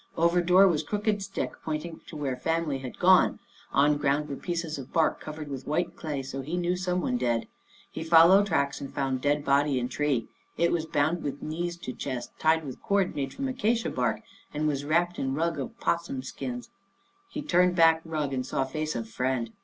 Over door was crooked stick pointing to where family had gone. On ground were pieces of bark covered with white clay, so he knew some one dead. He fol low tracks and found dead body in tree. It was bound with knees to chest, tied with cord made from acacia bark and was wrapped in rug of opossum skins. He turn back rug and saw face of friend.